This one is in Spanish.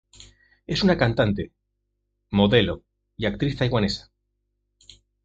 Es una cantante, modelo y actriz taiwanesa.